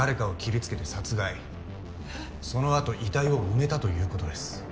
その後遺体を埋めたということです。